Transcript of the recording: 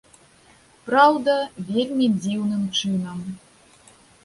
Праўда, вельмі дзіўным чынам.